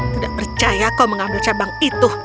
tidak percaya kau mengambil cabang itu